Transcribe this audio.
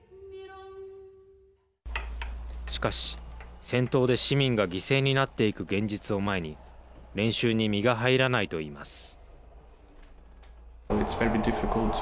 しかし、戦闘で市民が犠牲になっていく現実を前に練習に身が入らないといいます。